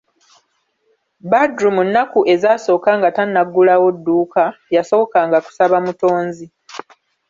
Badru mu nnaku ezasooka nga tannaggulawo dduuka, yasookanga kusaba mutonzi.